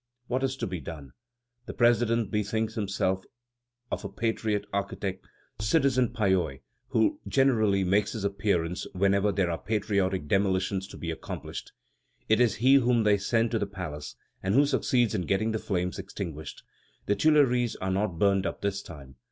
What is to be done? The president bethinks himself of a "patriot" architect, Citizen Palloy, who generally makes his appearance whenever there are "patriotic" demolitions to be accomplished. It is he whom they send to the palace, and who succeeds in getting the flames extinguished. The Tuileries are not burned up this time.